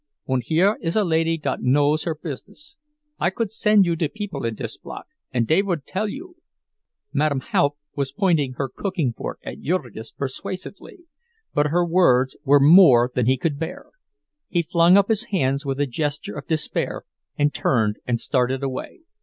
Und here is a lady dot knows her business—I could send you to people in dis block, und dey vould tell you—" Madame Haupt was pointing her cooking fork at Jurgis persuasively; but her words were more than he could bear. He flung up his hands with a gesture of despair and turned and started away.